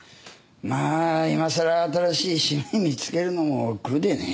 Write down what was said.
まあいまさら新しい趣味を見つけるのも億劫でね。